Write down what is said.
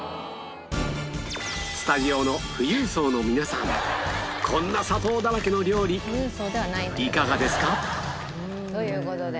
スタジオの富裕層の皆さんこんな砂糖だらけの料理いかがですか？という事で。